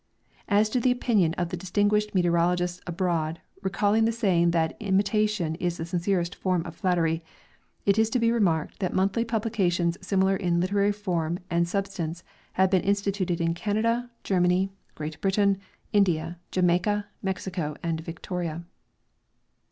As to the opinion of the distinguished meteorologists abroad, recalling the saying that imitation is the sincerest form of flat tery, it is to be remarked that monthly pu1)lications similar in literary form and substance have l^een instituted in Canada, Germany, Great Britain, India, Jamaica, Mexico and Victoria.